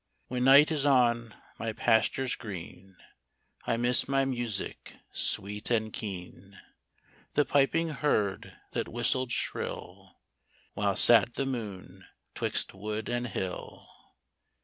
When night is on my pastures green I miss my music sweet and keen. The piping herd that whistled shrill While sat the moon 'twixt wood and hill.